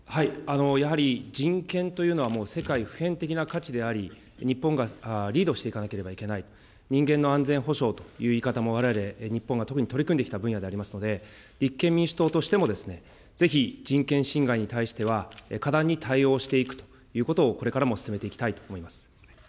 やはり、人権というのはもう世界の普遍的な価値であり、日本がリードしていかなければならない、人間の安全保障という言い方もわれわれ、日本が特に取り組んできた分野でありますので、立憲民主党としても、ぜひ人権侵害に対しては、果断に対応していくということをこれからも進めていきたいと思います。